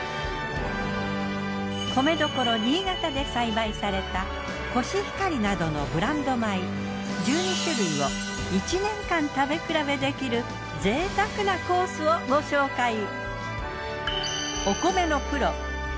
米どころ新潟で栽培されたこしひかりなどのブランド米１２種類を１年間食べ比べできる贅沢なコースをご紹介。